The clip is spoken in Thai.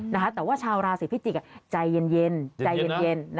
นะคะแต่ว่าชาวราศรีพิจิกใจเย็น